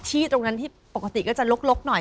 ที่ตรงนั้นที่ปกติก็จะลกหน่อย